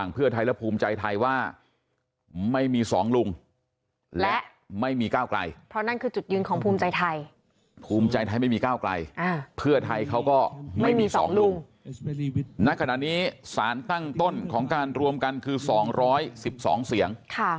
เพื่อไทยเขาก็ไม่มีสองลูงในขณะนี้สารตั้งต้นของการรวมกันคือ๒๑๒เสียง